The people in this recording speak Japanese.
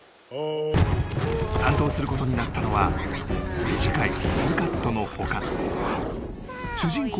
［担当することになったのは短い数カットの他主人公